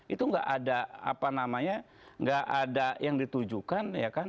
itu nggak ada apa namanya nggak ada yang ditujukan ya kan